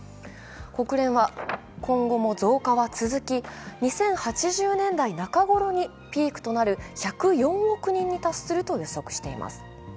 国連は、今後も増加は続き、２０８０年代中頃にピークとなる１０４億人に達すると予測しています。